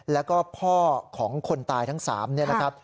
แล้วก็พ่อของคนตายทั้ง๓เนี่ยนะครับ